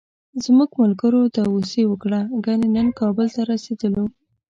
زموږ ملګرو داوسي وکړه، کني نن کابل ته رسېدلو.